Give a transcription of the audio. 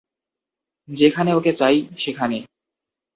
যেখানে ওকে চাই, সেখানে।